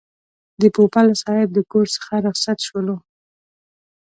د پوپل صاحب د کور څخه رخصت شولو.